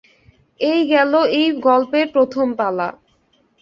এই গেল এই গল্পের প্রথম পালা।